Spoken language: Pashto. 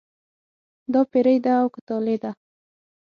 دا پیري ده او که طالع ده.